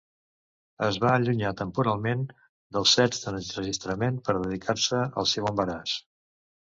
Es va allunyar temporalment dels sets d'enregistrament per dedicar-se al seu embaràs.